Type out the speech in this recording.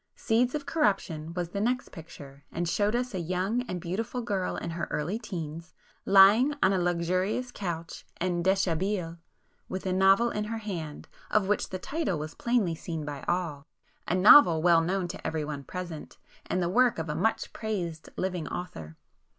'Seeds of Corruption' was the next picture, and showed us a young and beautiful girl in her early teens, lying on a luxurious couch en deshabille, with a novel in her hand, of which the title was plainly seen by all;—a novel well known to everyone present, and the work of a much praised living author.